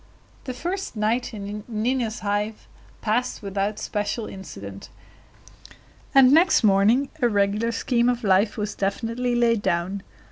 The first night in Nina's Hive passed without special incident; and next morning a regular scheme of life was definitely laid down.